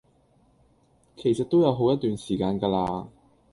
其實都有好一段時間架喇